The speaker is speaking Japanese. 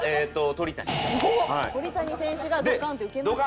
鳥谷選手がドカンってウケました。